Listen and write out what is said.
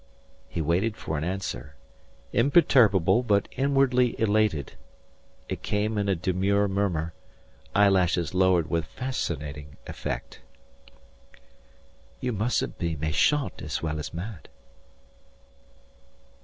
He waited for an answer, imperturbable but inwardly elated. It came in a demure murmur, eyelashes lowered with fascinating effect. "You mustn't be méchant as well as mad."